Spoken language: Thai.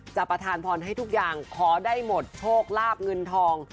ประธานพรให้ทุกอย่างขอได้หมดโชคลาบเงินทอง